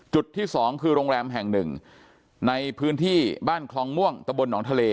ที่สองคือโรงแรมแห่งหนึ่งในพื้นที่บ้านคลองม่วงตะบลหนองทะเล